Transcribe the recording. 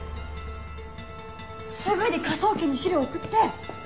すぐに科捜研に資料送って！